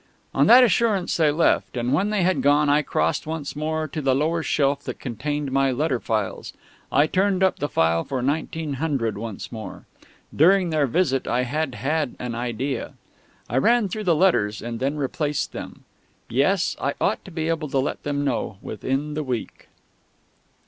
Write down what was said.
On that assurance they left; and when they had gone I crossed once more to the lower shelf that contained my letter files. I turned up the file for 1900 once more. During their visit I had had an idea. I ran through the letters, and then replaced them.... Yes, I ought to be able to let them know within the week.